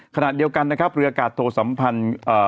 ขณะเดียวกันนะครับเรืออากาศโทสัมพันธ์อ่า